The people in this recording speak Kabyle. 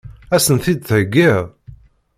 Ad sen-t-id-theggiḍ?